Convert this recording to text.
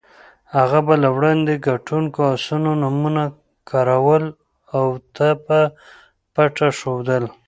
هغه به له وړاندې ګټونکو اسونو نومونه کراول ته په پټه ښودل.